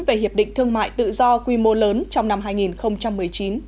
về hiệp định thương mại tự do quy mô lớn trong năm hai nghìn một mươi chín